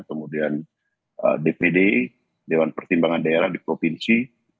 kemudian dpd dewan pertimbangan daerah di provinsi